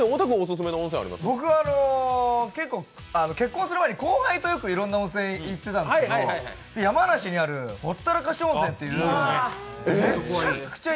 僕は結婚する前に後輩といろいろな温泉に行ってたんですけど、山梨にある、ほったらかし温泉という、めちゃくちゃいい。